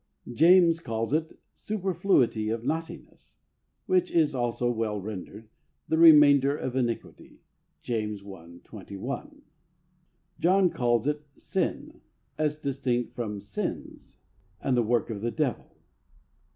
James calls it "superfluity of naughtiness," which is also well rendered, " tlie remainder of iniquity " {James i. 21). John calls it "sin," as distinct from "sins," and the " works of the devil."